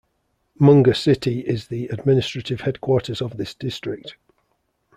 Munger city is the administrative headquarters of this district.